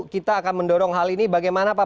kita akan mendorong hal ini bagaimana pak